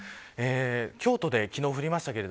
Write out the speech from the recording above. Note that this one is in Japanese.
京都で昨日降りましたけど。